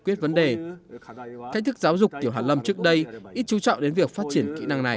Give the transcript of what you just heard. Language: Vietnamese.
quyết vấn đề thách thức giáo dục tiểu hàn lâm trước đây ít chú trọng đến việc phát triển kỹ năng này